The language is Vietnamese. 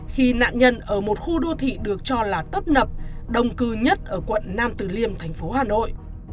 khi nạn nhân ở một khu đô thị được cho là tấp nập đồng cư nhất ở quận nam từ liêm thành phố hà nội